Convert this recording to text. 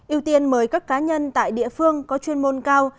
ưu tiên mời các cá nhân tại địa phương có chuyên môn cao